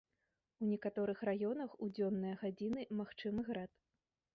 У некаторых раёнах у дзённыя гадзіны магчымы град.